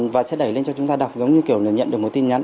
và sẽ đẩy lên cho chúng ta đọc giống như kiểu là nhận được một tin nhắn